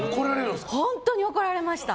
本当に怒られました。